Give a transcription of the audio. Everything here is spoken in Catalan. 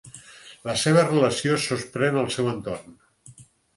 La seva relació sorprèn el seu entorn.